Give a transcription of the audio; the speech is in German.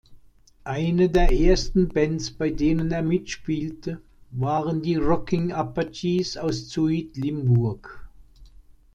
Eine der ersten Bands, bei denen er mitspielte, waren die "Rocking Apaches" aus Zuid-Limburg.